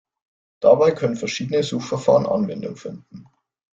Dabei können verschiedene Suchverfahren Anwendung finden.